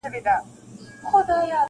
نن دي سترګو کي تصویر را سره خاندي,